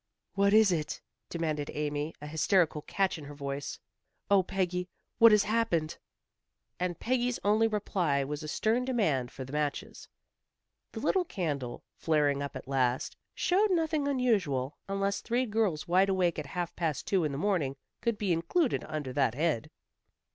"What is it?" demanded Amy, a hysterical catch in her voice. "Oh, Peggy, what has happened?" And Peggy's only reply was a stern demand for the matches. The little candle, flaring up at last, showed nothing unusual, unless three girls wide awake at half past two in the morning could be included under that head.